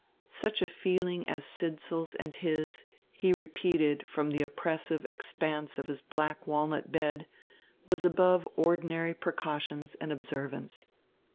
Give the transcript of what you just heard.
Such a feeling as Sidsall's and his, he repeated from the oppressive expanse of his black walnut bed, was above ordinary precautions and observance.